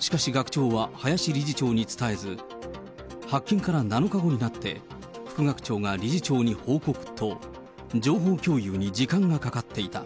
しかし、学長は林理事長に伝えず、発見から７日後になって、副学長が理事長に報告と、情報共有に時間がかかっていた。